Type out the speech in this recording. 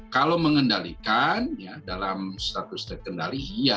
kalau mengendalikan dalam status terkendali iya